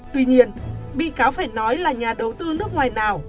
tuy nhiên bị cáo phải nói là nhà đầu tư nước ngoài nào